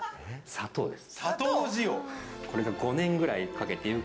砂糖です。